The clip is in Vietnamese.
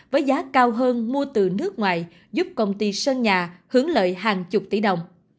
với giá cao hơn mua từ nước ngoài giúp công ty sơn nhà hướng lợi hàng chục tỷ đồng